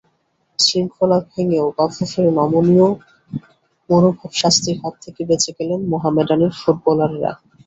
শৃঙ্খলা ভেঙেও বাফুফের নমনীয় মনোভাবে শাস্তির হাত থেকে বেঁচে গেলেন মোহামেডানের ফুটবলাররা।